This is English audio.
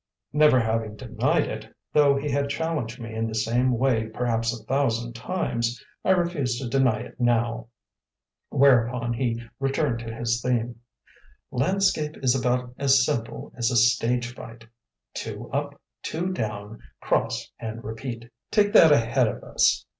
Never having denied it, though he had challenged me in the same way perhaps a thousand times, I refused to deny it now; whereupon he returned to his theme: "Landscape is about as simple as a stage fight; two up, two down, cross and repeat. Take that ahead of us.